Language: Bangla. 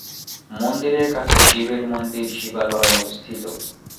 মন্দিরের কাছে শিবের মন্দির শিবালয় অবস্থিত।